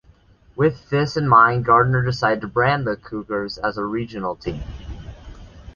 With this in mind, Gardner decided to brand the Cougars as a "regional" team.